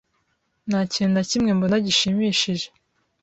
Nta kintu na kimwe mbona gishimishije.